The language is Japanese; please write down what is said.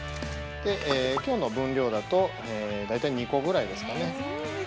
◆きょうの分量だと、大体２個ぐらいですかね。